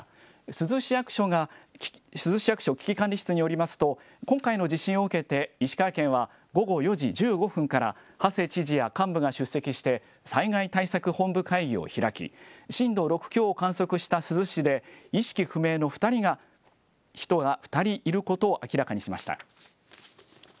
珠洲市役所が、珠洲市役所危機管理室によりますと、今回の地震を受けて、石川県は午後４時１５分から、はせ知事や幹部が出席して、災害対策本部会議を開き、震度６強を観測した珠洲市で、意識不明の２人が、人が２人、いることを明らかにしました。